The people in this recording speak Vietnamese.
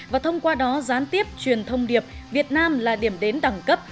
và thông qua đó gián tiếp truyền thông điệp việt nam là điểm đến đẳng cấp